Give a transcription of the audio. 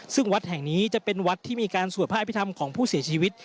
ซึ่งวัดแห่งนี้จะเป็นวัดที่มีการสวดพระอภิษฐรรมของผู้เสียชีวิต